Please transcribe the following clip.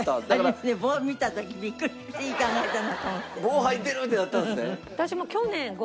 棒入ってる！ってなったんですね。